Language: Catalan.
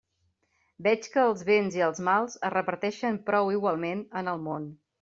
Veig que els béns i els mals es reparteixen prou igualment en el món.